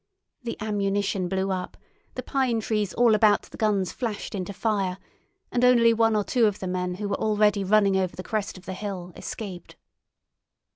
The ammunition blew up, the pine trees all about the guns flashed into fire, and only one or two of the men who were already running over the crest of the hill escaped.